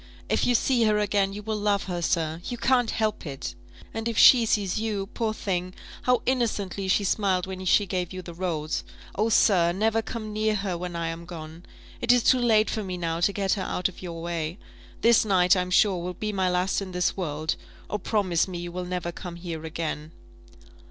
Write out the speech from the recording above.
If you see her again, you will love her, sir you can't help it; and if she sees you poor thing, how innocently she smiled when she gave you the rose! oh, sir, never come near her when I am gone! It is too late for me now to get her out of your way. This night, I'm sure, will be my last in this world oh, promise me you will never come here again!"